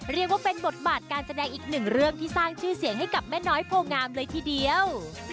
เรียกว่าเป็นบทบาทการแสดงอีกหนึ่งเรื่องที่สร้างชื่อเสียงให้กับแม่น้อยโพงามเลยทีเดียว